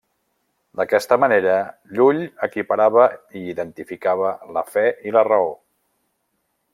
D'aquesta manera, Llull equiparava i identificava la fe i la raó.